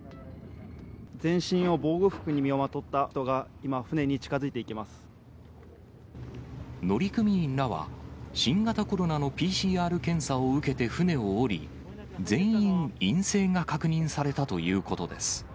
全身を防護服に身をまとった乗組員らは、新型コロナのＰＣＲ検査を受けて、船を降り、全員、陰性が確認されたということです。